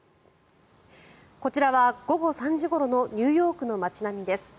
こちらは午後３時ごろのニューヨークの街並みです。